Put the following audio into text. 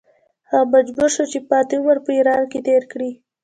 هغه مجبور شو چې پاتې عمر په ایران کې تېر کړي.